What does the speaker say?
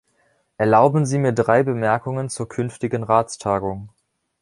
Erlauben Sie mir drei Bemerkungen zur künftigen Ratstagung.